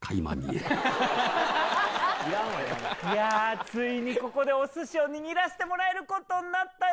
いやついにここでお寿司を握らしてもらえる事になったよ。